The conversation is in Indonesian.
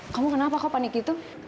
kamu kenapa kok panik gitu